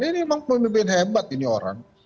ini memang pemimpin hebat ini orang